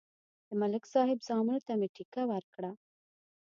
د ملک صاحب زامنو ته مې ټېکه ورکړه